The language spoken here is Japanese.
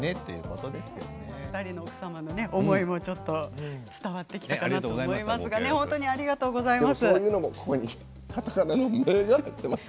２人の奥さんの思いが伝わってきたかなと思いますけれどもありがとうございます。